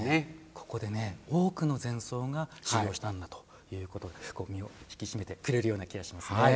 ここで多くの禅僧が修行したんだということで身を引き締めてくれるような気がしますね。